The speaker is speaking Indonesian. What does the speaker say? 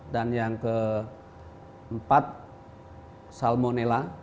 dan yang keempat salmonella